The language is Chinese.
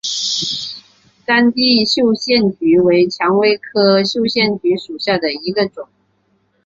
干地绣线菊为蔷薇科绣线菊属下的一个种。